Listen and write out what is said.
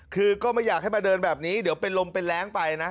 คือก็ไม่อยากให้มาเดินแบบนี้เดี๋ยวเป็นลมเป็นแรงไปนะ